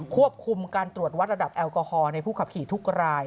ควบคุมการตรวจวัดระดับแอลกอฮอลในผู้ขับขี่ทุกราย